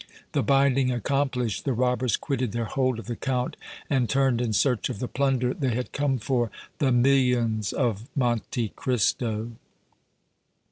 The binding accomplished, the robbers quitted their hold of the Count and turned in search of the plunder they had come for the millions of Monte Cristo!